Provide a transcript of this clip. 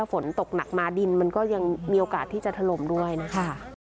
ฝนตกหนักมาดินมันก็ยังมีโอกาสที่จะถล่มด้วยนะคะ